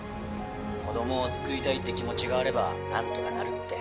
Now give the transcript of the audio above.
子供を救いたいって気持ちがあれば何とかなるって。